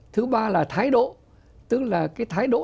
thứ ba là thái độ tức là cái thái độ